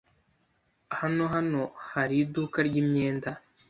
Hano hano hari iduka ryimyenda?